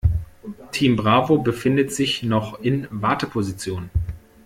Team Bravo befindet sich noch in Warteposition.